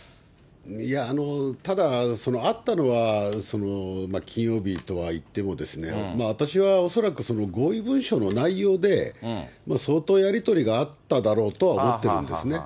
いや、ただ、会ったのは金曜日とはいってもですね、私は恐らく、合意文書の内容で、相当やり取りがあっただろうとは思ってるんですね。